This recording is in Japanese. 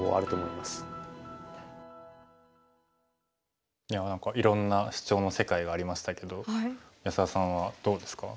いや何かいろんなシチョウの世界がありましたけど安田さんはどうですか？